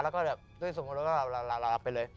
แล้วก็ด้วยสูงรถแล้วหลับไปเลย